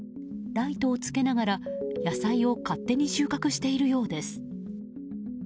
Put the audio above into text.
ライトをつけながら、野菜を勝手に収穫しているようです。